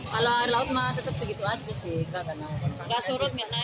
kalau air laut mah tetap segitu aja sih